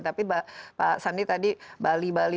tapi pak sandi tadi bali bali